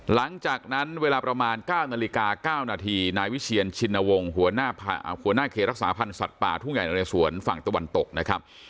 หลังจากนั้นเวลาประมาณ๙นาฬิกา๙นาทีนายวิเชียนชินวงศ์หัวหน้าเขตรักษาพันธ์สัตว์ป่าทุ่งใหญ่นเรสวนฝั่งตะวันตกนะครับ